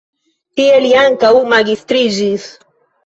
Tie li ankaŭ magistriĝis.